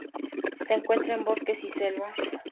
Se encuentra en bosques y selvas.